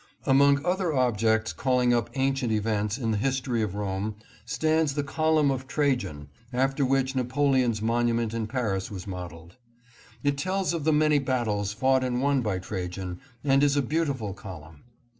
Among other objects calling up ancient events in the history of Rome, stands the Column of Trajan, after which Napoleon's monument in Paris was modeled. It tells of the many battles fought and won by Trajan, and is a beautiful column.